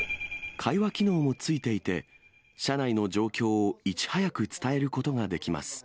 会話機能も付いていて、車内の状況をいち早く伝えることができます。